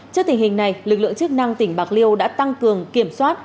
trước tình hình này lực lượng chức năng tỉnh bạc liêu đã tăng cường kiểm soát